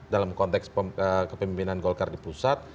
dalam konteks kepemimpinan golkar di pusat